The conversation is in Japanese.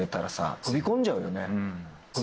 飛び込んじゃうよね。